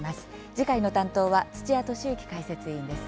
次回の担当は土屋敏之解説委員です。